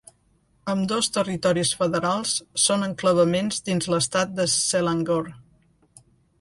Ambdós territoris federals són enclavaments dins l'estat de Selangor.